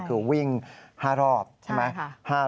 คือวิ่ง๕รอบใช่ไหม